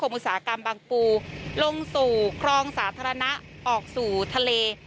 มีแทนการนะออกสู่ทะเล